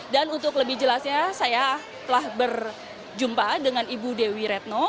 dan untuk lebih jelasnya saya telah berjumpa dengan ibu dewi retno